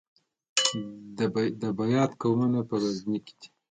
د بیات قومونه په غزني کې دي